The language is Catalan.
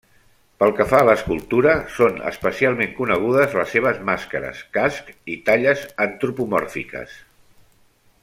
Pel que fa a l'escultura, són especialment conegudes les seves màscares, cascs i talles antropomòrfiques.